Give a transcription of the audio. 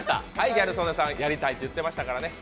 ギャル曽根さんやりたいって言ってましたからね。